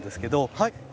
はい。